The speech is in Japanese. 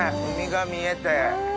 海が見えて。